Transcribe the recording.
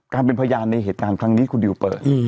เป็นพยานในเหตุการณ์ครั้งนี้คุณดิวเปิด